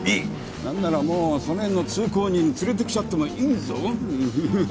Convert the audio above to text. なんならもうその辺の通行人連れてきちゃってもいいぞふふふふっ。